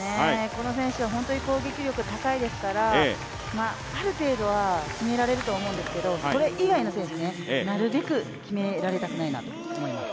この選手はホントに攻撃力が高いですからある程度は決められると思うんですけどそれ以外の選手になるべく決められたくないなと思います。